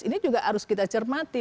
ini juga harus kita cermati